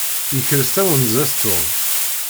Yekres tawenza-s Tom.